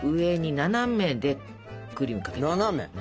斜め？